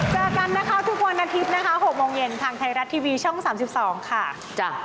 เจอกันนะคะทุกวันอาทิตย์นะคะ๖โมงเย็นทางไทยรัฐทีวีช่อง๓๒ค่ะ